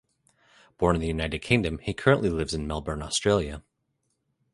Born in the United Kingdom, he currently lives in Melbourne, Australia.